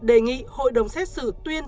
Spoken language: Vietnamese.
đề nghị hội đồng xét xử tuyên